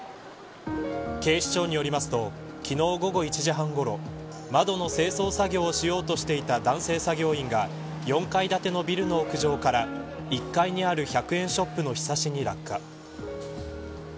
警視庁によりますと昨日午後１時半ごろ窓の清掃作業をしようとしていた男性作業員が４階建てのビルの屋上から１階にある１００円ショップのひさしに落下。